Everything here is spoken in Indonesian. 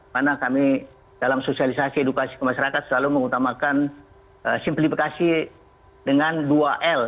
karena kami dalam sosialisasi edukasi ke masyarakat selalu mengutamakan simplifikasi dengan dua l